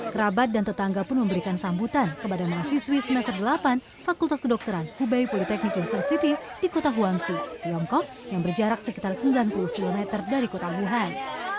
kerabat dan tetangga pun memberikan sambutan kepada mahasiswi semester delapan fakultas kedokteran hubai politeknik university di kota huangsi tiongkok yang berjarak sekitar sembilan puluh km dari kota wuhan